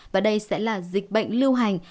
và đây sẽ là dịch bệnh lưu hành